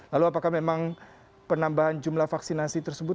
lalu apakah memang penambahan jumlah vaksinasi tersebut